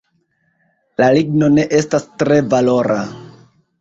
La ligno ne estas tre valora.